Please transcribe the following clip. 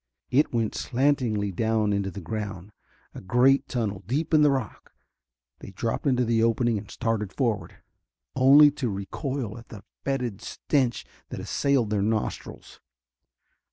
It went slantingly down into the ground, a great tunnel, deep in the rock. They dropped into the opening and started forward, only to recoil at the fetid stench that assailed their nostrils.